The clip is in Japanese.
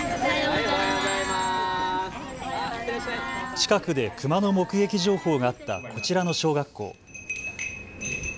近くでクマの目撃情報があったこちらの小学校。